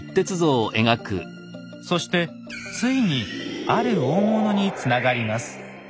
そしてついにある大物につながります。